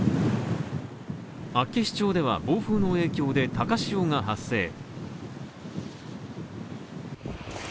厚岸町では暴風の影響で高潮が発生。